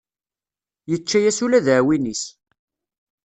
Yečča-yas ula d aɛwin-is.